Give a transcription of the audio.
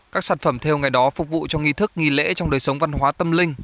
các sản phẩm theo ngày đó phục vụ cho nghi thức nghi lễ trong đời sống văn hóa tâm linh